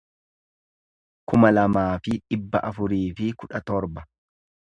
kuma lamaa fi dhibba afurii fi kudha torba